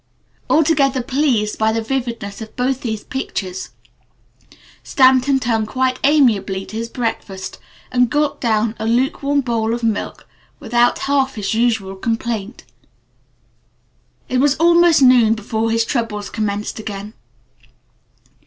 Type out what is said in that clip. Altogether pleased by the vividness of both these pictures Stanton turned quite amiably to his breakfast and gulped down a lukewarm bowl of milk without half his usual complaint. [Illustration: "Good enough!" he chuckled] It was almost noon before his troubles commenced again.